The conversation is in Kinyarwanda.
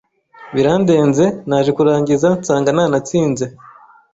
birandenze naje kurangiza nsanga nanatsinze